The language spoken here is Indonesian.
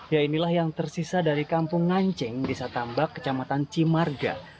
ya inilah yang tersisa dari kampung nganceng desa tambak kecamatan cimarga